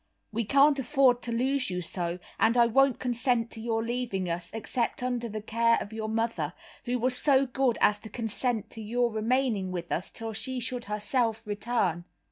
"We can't afford to lose you so, and I won't consent to your leaving us, except under the care of your mother, who was so good as to consent to your remaining with us till she should herself return.